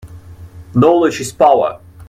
Knowledge is power.